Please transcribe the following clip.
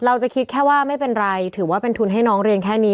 เราจะคิดแค่ว่าไม่เป็นไรถือว่าเป็นทุนให้น้องเรียนแค่นี้